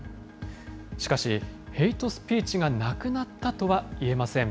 しかし、ヘイトスピーチがなくなったとは言えません。